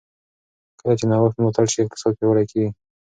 کله چې نوښت ملاتړ شي، اقتصاد پیاوړی کېږي.